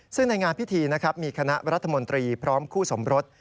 ซึ่งในงานพิธีนะครับมีคณะรัฐมนตรีพร้อมคู่สมรส